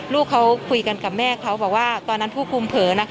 ลูกเขาคุยกันกับแม่เขาบอกว่าตอนนั้นผู้คุมเผลอนะคะ